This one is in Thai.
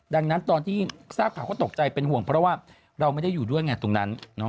ดังนั้นตอนที่ทราบข่าวก็ตกใจเป็นห่วงเพราะว่าเราไม่ได้อยู่ด้วยไงตรงนั้น